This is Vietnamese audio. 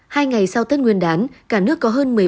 hai ngày sau tết nguyên đán cả nước có hơn một mươi ba